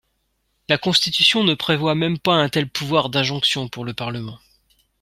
La Constitution ne prévoit même pas un tel pouvoir d’injonction pour le Parlement.